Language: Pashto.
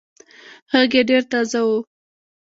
غږ يې ډېر تازه وو.